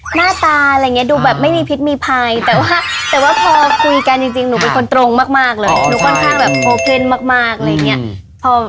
หน้าตาดูแบบมีพิทมิภายแต่ว่าพอคุยกันจริงหนูเป็นคนตรงมากเหมือนกันนี่มันเป็นพูดะละ